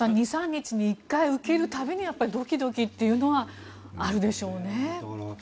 ２３日に１回受ける度にドキドキというのはあるでしょうね、検査。